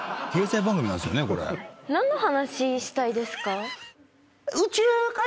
何の話したいですか？